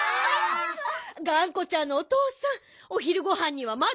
がんこちゃんのおとうさんおひるごはんにはまだはやいですよ。